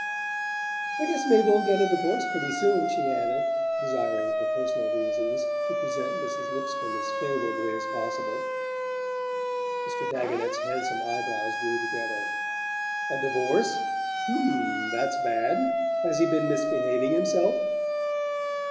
"I guess Mabel'll get a divorce pretty soon," she added, desiring, for personal reasons, to present Mrs. Lipscomb as favourably as possible. Mr. Dagonet's handsome eye brows drew together. "A divorce? H'm that's bad. Has he been misbehaving himself?"